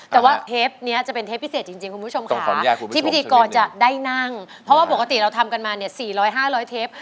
แต่ว่าเทปนี้จะเป็นเทปพิเศษจริงคุณผู้ชมค่ะที่พิธีกรจะได้นั่งเพราะว่าปกติเราทำกันมาเนี่ย๔๐๐๕๐๐เทป